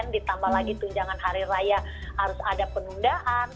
ditambah lagi tunjangan hari raya harus ada penundaan